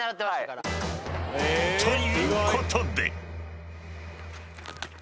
［ということで］